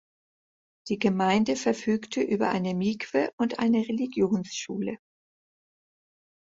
Die Gemeinde verfügte über eine Mikwe und eine Religionsschule.